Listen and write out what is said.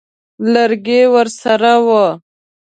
لرګی ورسره وو.